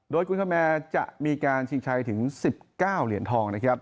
โดยกุลคมแมร์จะมีการชิงใช้ถึง๑๙เหรียญทอง